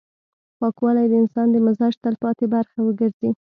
پاکوالی د انسان د مزاج تلپاتې برخه وګرځي.